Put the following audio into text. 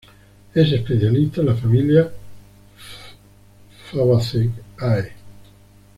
Es especialista en la familia Fabaceae.